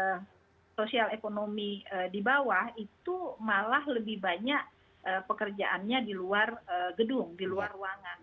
masyarakat yang berada pada tingkat sosial ekonomi di bawah itu malah lebih banyak pekerjaannya di luar gedung di luar ruangan